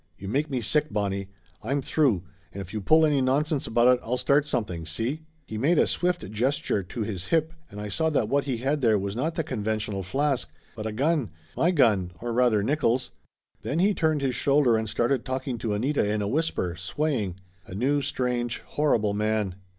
You make me sick, Bonnie. I'm through, and if you pull any nonsense about it I'll start something, see?" He made a swift gesture to his hip and I saw that what he had there was not the conventional flask, but a gun my gun, or rather, Nickolls'. Then he turned 234 Laughter Limited his shoulder and started talking to Anita in a whisper, swaying. A new, strange, horrible man.